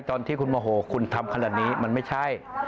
ตอนที่พุทธมาหัวพุทธทำอิกนี้มันไม่ใช่